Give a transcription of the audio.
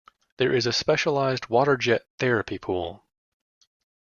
There is a specialised water jet therapy pool.